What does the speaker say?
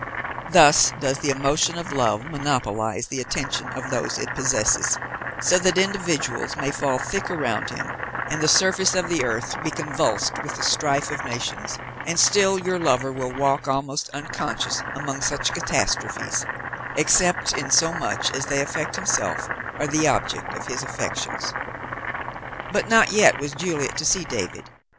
Thus does the emotion of love monopolize the attention of those it possesses, so that individuals may fall thick around him and the surface of the earth be convulsed with the strife of nations, and still your lover will walk almost unconscious among such catastrophes, except in so much as they affect himself or the object of his affections. But not yet was Juliet to see David.